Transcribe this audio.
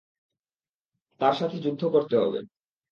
তার সাথে যুদ্ধ করতে হবে।